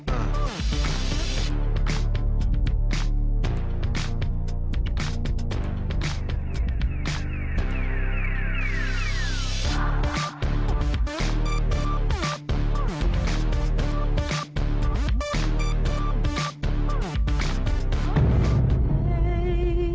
akan sampai lah